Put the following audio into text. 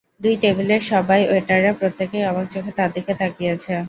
দুই টেবিলের সবাই, ওয়েটাররা প্রত্যেকেই অবাক চোখে তাঁর দিকে তাকিয়ে আছে।